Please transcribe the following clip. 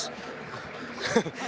banyak yang begitu